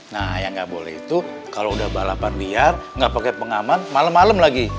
nah yang nggak boleh itu kalau udah balapan liar nggak pakai pengaman malam malam lagi